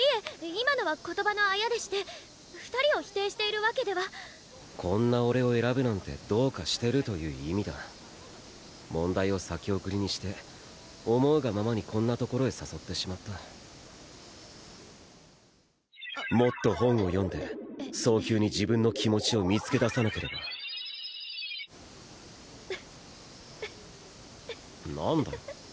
今のは言葉のあやでして二人を否定しているわけではこんな俺を選ぶなんてどうかしてるという意味だ問題を先送りにして思うがままにこんなところへ誘ってしまったもっと本を読んで早急に自分の気持ちを見つけださなければフッフフフ何だよ